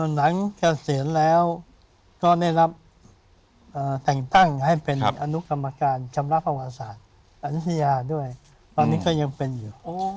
หนังเกษียณแล้วก็ได้รับแต่งตั้งให้เป็นอนุกรรมการชำระประวัติศาสตร์อายุทยาด้วยตอนนี้ก็ยังเป็นอยู่